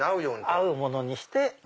合うものにして。